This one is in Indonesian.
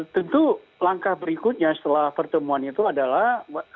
tentu langkah berikutnya setelah pertemuan itu adalah